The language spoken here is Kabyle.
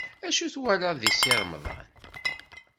Acu i twalaḍ deg Si Remḍan?